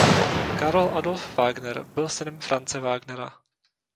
Karl Adolf Wagner byl synem Franze Wagnera.